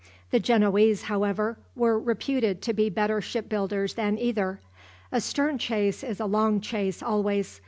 The Genoese, however, were reputed to be better ship builders than either. A stern chase is a long chase always.